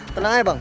tenang aja bang